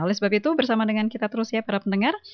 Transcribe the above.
oleh sebab itu bersama dengan kita terus ya para pendengar